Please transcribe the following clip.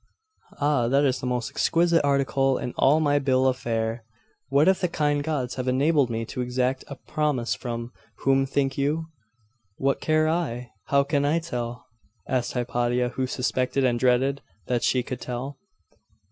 'Ah! that is the most exquisite article in all my bill of fare! What if the kind gods have enabled me to exact a promise from whom, think you?' 'What care I? How can I tell?' asked Hypatia, who suspected and dreaded that she could tell.